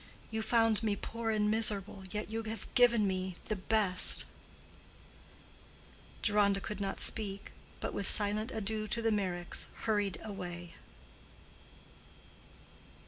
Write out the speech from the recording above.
You found me poor and miserable, yet you have given me the best." Deronda could not speak, but with silent adieux to the Meyricks, hurried away.